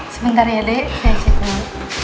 sebentar ya de saya cek dulu